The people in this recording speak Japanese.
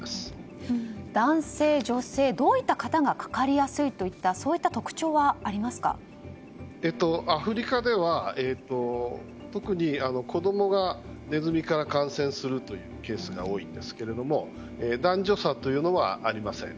男性、女性どういった方がかかりやすいといったアフリカでは特に子供がネズミから感染するケースが多いんですが男女差というのはありません。